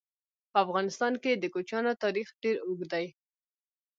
په افغانستان کې د کوچیانو تاریخ ډېر اوږد دی.